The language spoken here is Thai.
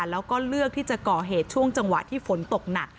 แล้วก็เลือกที่จะก่อเหตุช่วงจังหวะที่ฝนตกหนัก